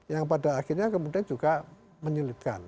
yang pada akhirnya kemudian juga menyulitkan